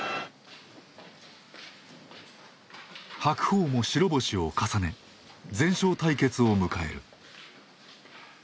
白鵬も白星を重ね全勝対決を迎える。